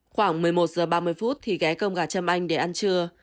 khoảng một mươi một giờ ba mươi phút thì ghé cơm gà châm anh để ăn trưa